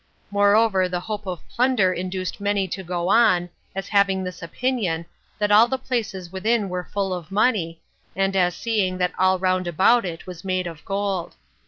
Moreover, the hope of plunder induced many to go on, as having this opinion, that all the places within were full of money, and as seeing that all round about it was made of gold.